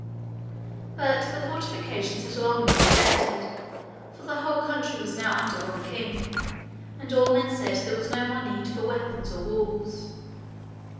But the fortifications had long been neglected, for the whole country was now under one king, and all men said there was no more need for weapons or walls.